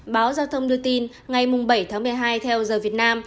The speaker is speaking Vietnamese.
báo giao thông đưa tin ngày bảy tháng một mươi hai theo giờ việt nam